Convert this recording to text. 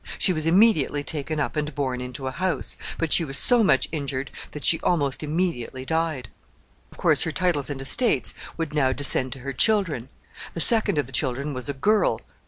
She was immediately taken up and borne into a house, but she was so much injured that she almost immediately died. Of course, her titles and estates would now descend to her children. The second of the children was a girl.